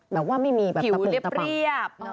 แบบว่าไม่มีปล่อยปริอบ